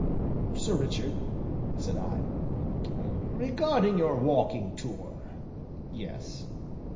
"Sir Richard?" said I. "Regarding your walking tour " "Yes?"